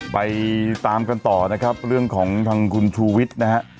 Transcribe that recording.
ไปตามกันต่อนะครับเรื่องของทางคุณชูวิทย์นะฮะ